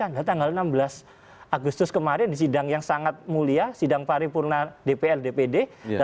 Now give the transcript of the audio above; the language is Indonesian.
ada tanggal enam belas agustus kemarin di sidang yang sangat mulia sidang paripurna dpr dpd